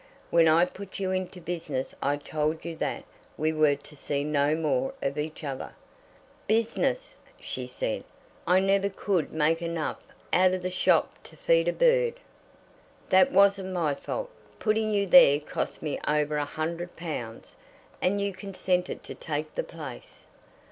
When I put you into business I told you that we were to see no more of each other." "Business!" she said. "I never could make enough out of the shop to feed a bird." "That wasn't my fault. Putting you there cost me over a hundred pounds, and you consented to take the place."